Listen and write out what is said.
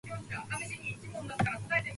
富山県へ行く